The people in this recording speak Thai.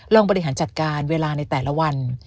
บริหารจัดการเวลาในแต่ละวัน